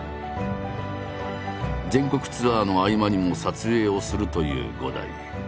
全国ツアーの合間にも撮影をするという伍代。